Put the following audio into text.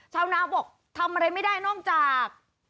ชาวนาบอกทำอะไรไม่ได้นอกจาก